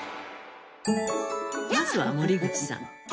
まずは森口さん。